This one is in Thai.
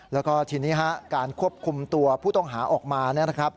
แล้วก็ทีนี้ฮะการควบคุมตัวผู้ต้องหาออกมานะครับ